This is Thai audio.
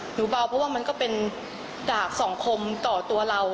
เบาเพราะว่ามันก็เป็นดาบสองคมต่อตัวเรา